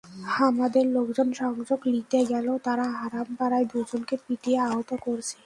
হামাদের লোকজন সংযোগ লিতে গেলে তারা হামার পাড়ার দুইজনকো পিটিয়ে আহত করছে।